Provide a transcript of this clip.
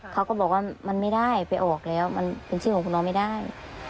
เขาก็บอกว่ามันไม่ได้ไปออกแล้วมันเป็นชื่อของคุณน้องไม่ได้